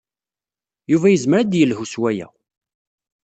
Yuba yezmer ad d-yelhu s waya.